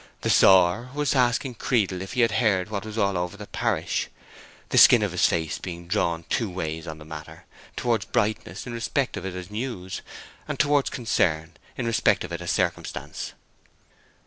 The sawyer was asking Creedle if he had heard what was all over the parish, the skin of his face being drawn two ways on the matter—towards brightness in respect of it as news, and towards concern in respect of it as circumstance.